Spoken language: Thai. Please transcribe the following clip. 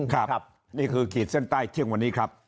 ครับนี่คือขีดเส้นใต้เที่ยงวันนี้ครับ